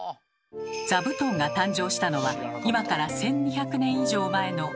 座布団が誕生したのは今から１，２００年以上前の平安時代。